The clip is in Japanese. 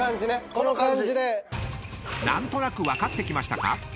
［何となく分かってきましたか？